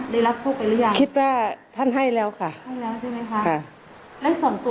ได้รับโทษไปหรือยังคิดว่าท่านให้แล้วค่ะให้แล้วใช่ไหมคะค่ะ